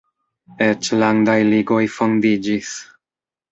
Eĉ landaj ligoj fondiĝis.